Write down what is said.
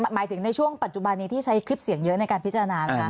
หมายถึงในช่วงปัจจุบันนี้ที่ใช้คลิปเสียงเยอะในการพิจารณาไหมคะ